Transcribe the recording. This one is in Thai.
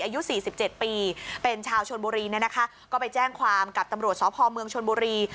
อายุ๔๗ปีเป็นชาวชนบุรีนะคะก็ไปแจ้งความกับตำรวจสอบภอมเมืองชนบุรี